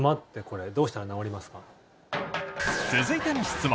続いての質問。